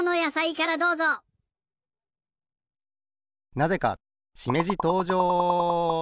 なぜかしめじとうじょう！